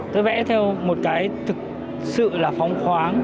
tôi vẽ theo một cái thực sự là phóng khoáng